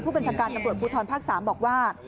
บัญชาการตำรวจภูทรภาค๓บอกว่า